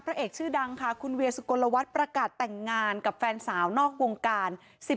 เอกชื่อดังค่ะคุณเวียสุกลวัฒน์ประกาศแต่งงานกับแฟนสาวนอกวงการ